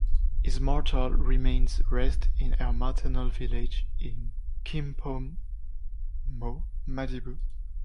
His mortal remains rest in her maternal village in Kimpomo-Madibou.